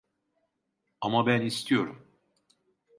Ama ben istiyorum…